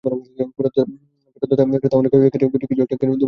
ফেরতদাতা ক্রেতাঅনেক ক্ষেত্রে কোনো একটা কিছু কিনে ফেলার সময় এঁরা দুবার ভাবেন না।